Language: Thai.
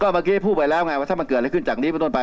เมื่อกี้พูดไปแล้วไงว่าถ้ามันเกิดอะไรขึ้นจากนี้เป็นต้นไป